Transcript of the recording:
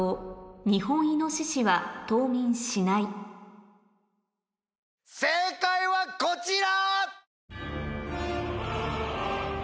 「ニホンイノシシは冬眠しない」正解はこちら！